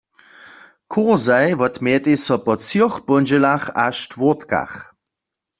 Kursaj wotmějetej so po třoch póndźelach a štwórtkach.